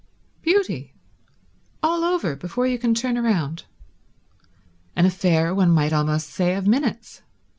Beauty! All over before you can turn round. An affair, one might almost say, of minutes.